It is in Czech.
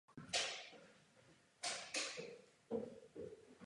Jediné současné rakouské vojenské vyznamenání je Odznak za vojenské zásluhy.